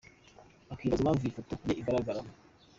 Hakibazwa impamvu iyi foto ye igaragaragaramo.